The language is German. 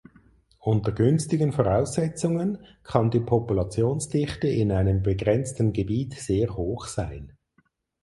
Unter günstigen Voraussetzungen kann die Populationsdichte in einem begrenzten Gebiet sehr hoch sein.